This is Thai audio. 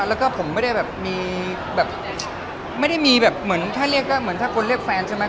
แล้วก็ผมไม่ได้แบบมีแบบไม่ได้มีแบบเหมือนถ้าเรียกก็เหมือนถ้าคนเรียกแฟนใช่ไหม